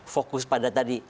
fokus pada tadi